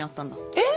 えっ！